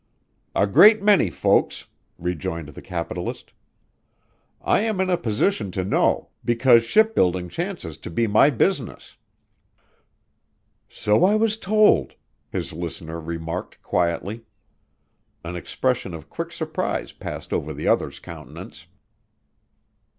"A great many folks!" rejoined the capitalist. "I am in a position to know, because shipbuilding chances to be my business." "So I was told," his listener remarked quietly. An expression of quick surprise passed over the other's countenance.